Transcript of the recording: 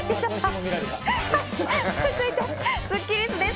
続いてスッキりすです。